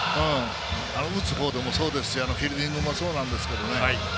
打つほうでもそうですしフィールディングもそうですが。